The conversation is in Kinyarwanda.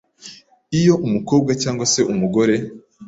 iyo umukobwa cyangwa se mugore